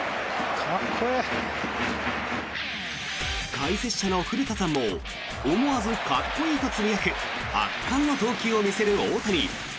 解説者の古田さんも思わずかっこいいとつぶやく圧巻の投球を見せる大谷。